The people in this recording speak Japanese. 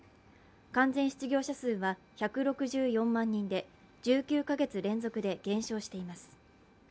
完全失業者数は１６４万人で１９か月連続で減少しています。